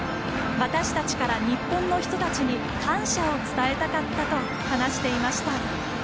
私たちから日本の人たちに感謝を伝えたかったと話していました。